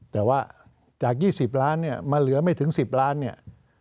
แต่ว่าจาก๒๐ล้านเนี่ยมาเหลือไม่ถึง๑๐ล้านเนี่ย